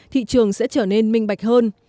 thị trường sẽ trở nên minh